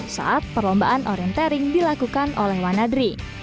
saat perlombaan orientering dilakukan oleh wanadri